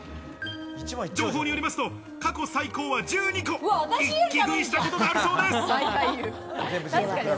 情報によりますと過去最高は１２個一気食いしたこともあるそうです。